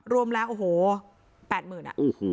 รวมแหละโอ้โหแปดหมื่น